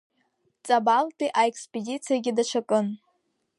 Ҵабалтәи аекспедициагьы даҽакын…